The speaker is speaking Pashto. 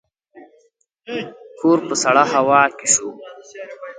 کور په سړه هوا کې شو.